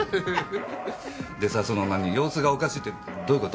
でさその様子がおかしいってどういう事？